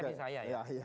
persen saya ya